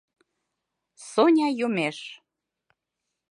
Соня йомеш.